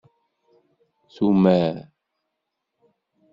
Tumar.